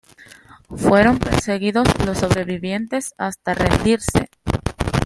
Fueron perseguidos los sobrevivientes hasta rendirse.